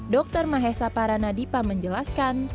dr mahesa paranadipa menjelaskan